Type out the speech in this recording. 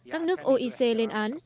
các nước oec lên án